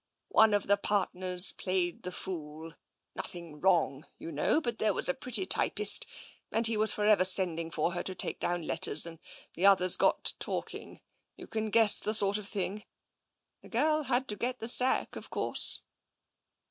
One of the partners played the fool — nothing wrong, you know, but there was a pretty typist, and he TENSION 191 was for ever sending for her to take down letters, and the others got talking — you can guess the sort of thing. The girl had to get the sack, of course.'